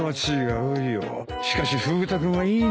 しかしフグ田君はいいね。